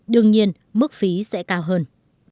đương nhiên mức phí sẽ cao hơn